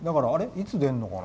いつ出るのかな。